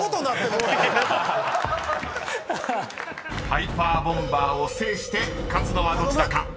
［ハイパーボンバーを制して勝つのはどちらか］